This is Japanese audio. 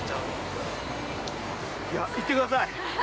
◆行ってください。